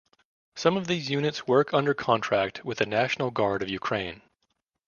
Some of these units work under contract with the National Guard of Ukraine.